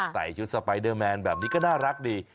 ใส่ชุดสไปเดอร์แมนแบบนี้ก็น่ารักดี